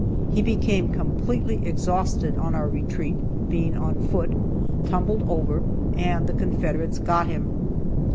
He became completely exhausted on our retreat, (being on foot,) tumbled over, and the Confederates got him.